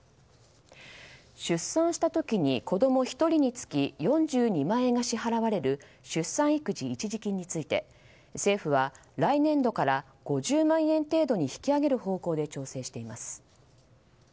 出産した時に子供１人につき４２万円が支払われる出産育児一時金について政府は来年度から５０万円程度に引き上げる方向で調整しています。